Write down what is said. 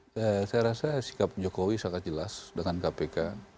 saya rasa sikap jokowi sangat jelas dengan kpk